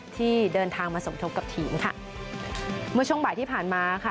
ที่เดินทางมาสมทบกับทีมค่ะเมื่อช่วงบ่ายที่ผ่านมาค่ะ